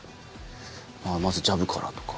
「まずジャブから」とか。